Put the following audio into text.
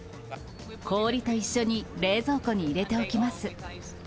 氷と一緒に冷蔵庫に入れておきます。